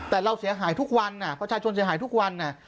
แต่เราเสียหายทุกวันประชาชนเสียหายทุกวัน